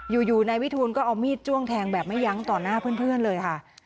อยู่นายวิทูลก็เอามีดจ้วงแทงแบบไม่ยั้งต่อหน้าเพื่อนเลยค่ะ